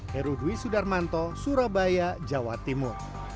herudwi sudarmanto surabaya jawa timur